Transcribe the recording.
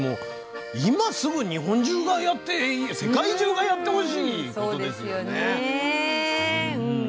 今すぐ、日本中がやって世界中がやってほしいことですよね。